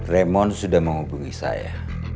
raymond sudah menghubungi saya